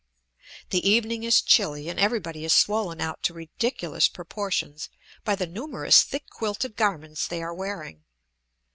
The evening is chilly, and everybody is swollen out to ridiculous proportions by the numerous thick quilted garments they are wearing.